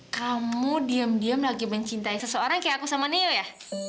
kamu diem diam lagi mencintai seseorang kayak aku sama neo ya